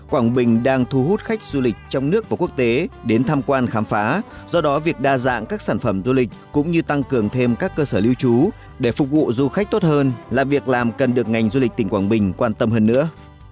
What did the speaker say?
quảng bình đang thu hút khách du lịch trong nước và quốc tế đến tham quan khám phá do đó việc đa dạng các sản phẩm du lịch cũng như tăng cường thêm các cơ sở lưu trú để phục vụ du khách tốt hơn là việc làm cần được ngành du lịch tỉnh quảng bình quan tâm hơn nữa